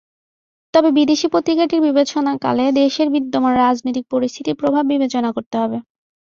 তবে বিদেশি পত্রিকাটির বিবেচনাকালে দেশের বিদ্যমান রাজনৈতিক পরিস্থিতির প্রভাব বিবেচনা করতে হবে।